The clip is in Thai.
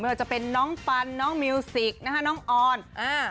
ว่าจะเป็นน้องปันน้องมิวสิกนะคะน้องออนอ่า